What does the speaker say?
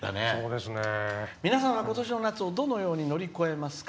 「皆さんは今年の夏をどのように乗り越えますか？